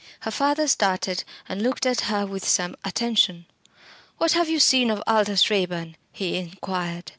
Her father started, and looked at her with some attention. "What have you seen of Aldous Raeburn?" he inquired.